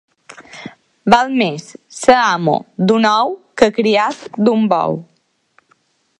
Val més ser amo d'un ou que criat d'un bou.